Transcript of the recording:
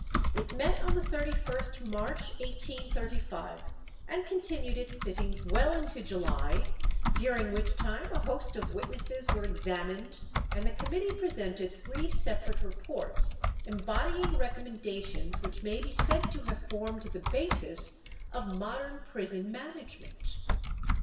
It met on the 31st March, 1835, and continued its sittings well into July, during which time a host of witnesses were examined, and the committee presented three separate reports, embodying recommendations which may be said to have formed the basis of modern prison management.